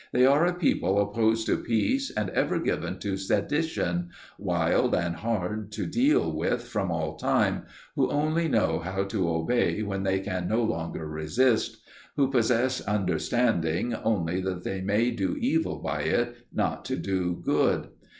They are a people opposed to peace, and ever given to sedition; wild and hard to deal with from all time; who only know how to obey when they can no longer resist; who possess understanding, only that they may do evil by it, not to do good.